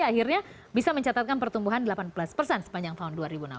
akhirnya bisa mencatatkan pertumbuhan delapan belas persen sepanjang tahun dua ribu enam belas